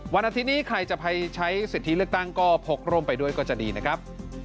อาทิตย์นี้ใครจะไปใช้สิทธิเลือกตั้งก็พกร่มไปด้วยก็จะดีนะครับ